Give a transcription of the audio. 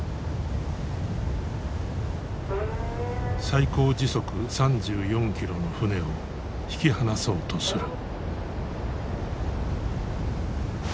最高時速３４キロの船を引き離そうとする。